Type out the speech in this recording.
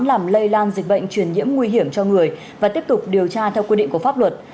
làm lây lan dịch bệnh truyền nhiễm nguy hiểm cho người và tiếp tục điều tra theo quy định của pháp luật